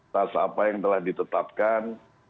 tas apa yang telah ditetapkan